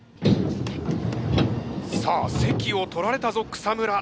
さあ席を取られたぞ草村。